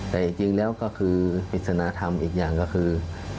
แต่จริงแล้วก็คือปริศนธรรมอีกอย่างก็คือ